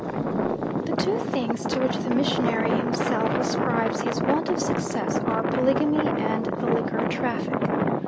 The two things to which the missionary himself ascribes his want of success are polygamy and the liquor traffic.